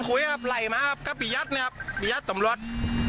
ก็ไหลมาก็ปิดยัดเนี่ยครับปิดยัดตำรวจ